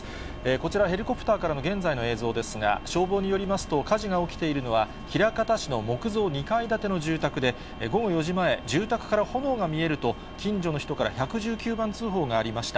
こちら、ヘリコプターからの現在の映像ですが、消防によりますと、火事が起きているのは、枚方市の木造２階建ての住宅で、午後４時前、住宅から炎が見えると、近所の人から１１９番通報がありました。